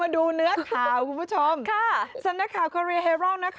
เดี๋ยวก่อน